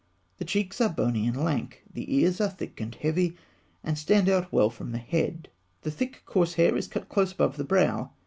The cheeks are bony and lank; the ears are thick and heavy, and stand out well from the head; the thick, coarse hair is cut close above the brow.